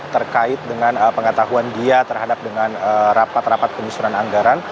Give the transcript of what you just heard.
terkait dengan pengetahuan dia terhadap dengan rapat rapat penyusuran anggaran